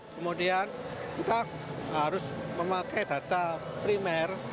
kemudian kita harus memakai data primer